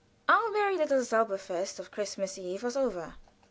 Our merry little zauberfest of Christmas eve was over.